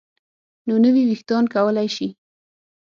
نو نوي ویښتان کولی شي